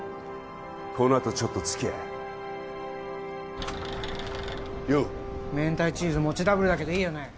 このあとちょっと付き合えよう明太チーズ餅ダブルだけどいいよね？